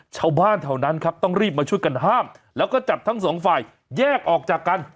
ชาวบ้านแถวนั้นครับต้องรีบมาช่วยกันห้ามแล้วก็จับทั้งสองฝ่ายแยกออกจากกัน